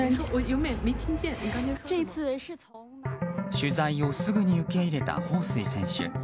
取材をすぐに受け入れたホウ・スイ選手。